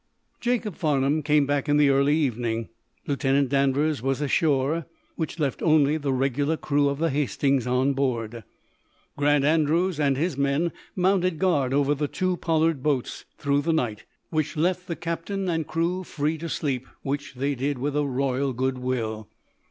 Jacob Farnum came back in the early evening. Lieutenant Danvers was ashore, which left only the regular crew of the "Hastings" on board. Grant Andrews and his men mounted guard over the two Pollard boats through the night, which left the captain and crew free to sleep which they did with a royal good will.